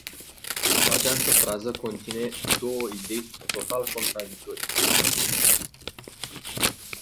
Această frază conține două idei total contradictorii.